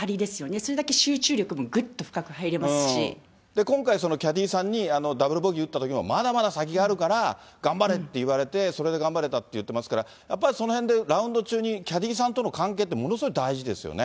それだけ集中力もぐっ今回、キャディーさんにだぶるぼぎーうったときもまだまだ先があるから、頑張れって言われて、それで頑張れたって言ってますから、やっぱりそのへんで、ラウンド中にキャディーさんとの関係ってものすごい大事ですよね。